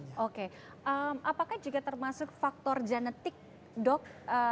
oke apakah juga termasuk faktor genetik dok